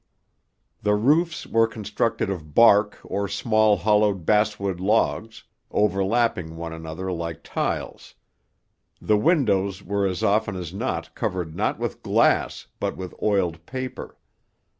The roofs were constructed of bark or small hollowed basswood logs, overlapping one another like tiles. The windows were as often as not covered not with glass, but with oiled paper.